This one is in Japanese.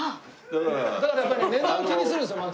だからやっぱり値段気にするんです槙さん。